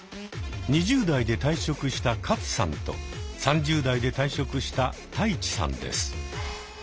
２０代で退職したカツさんと３０代で退職したタイチさんです。